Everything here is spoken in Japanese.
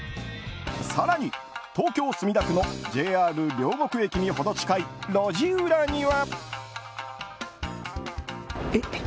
更に、東京・墨田区のＪＲ両国駅にほど近い路地裏には。